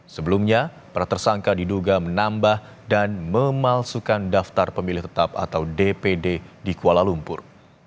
sebelumnya para tersangka diduga menambah dan memalsukan daftar pemilih tetap atau dpd di kuala lumpur